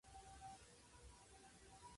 外は晴れています。